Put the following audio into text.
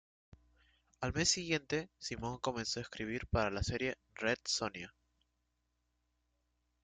Al mes siguiente, Simone comenzó a escribir para la serie "Red Sonja".